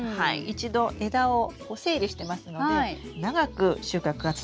一度枝を整理してますので長く収穫が続いていますね。